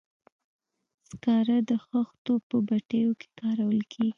سکاره د خښتو په بټیو کې کارول کیږي.